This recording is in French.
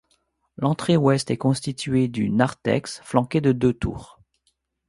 L'entrée ouest est constituée du narthex flanqué de deux tours.